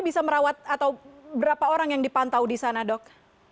bisa merawat atau berapa orang yang dipantau di sana dok